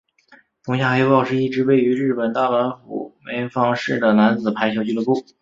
松下黑豹是一支位于日本大阪府枚方市的男子排球俱乐部。